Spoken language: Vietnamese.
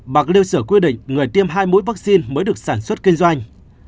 bạc liêu sửa quy định người tiêm hai mũi vaccine mới được sản xuất kinh doanh